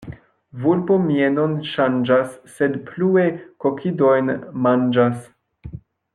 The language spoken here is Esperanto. Vulpo mienon ŝanĝas, sed plue kokidojn manĝas.